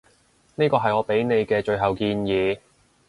呢個係我畀你嘅最後建議